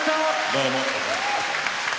どうも。